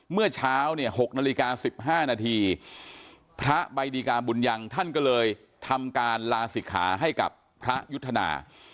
เมื่อเช้าเนี่ย๖นาฬิกา๑๕นาทีพระใบดีกาบุญยังท่านก็เลยทำการลาศิกขาให้กับพระยุทธนา